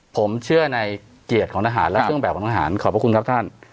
ผมเชื่อในเกียรติของทหารและเครื่องแบบของทหารขอบพระคุณครับท่าน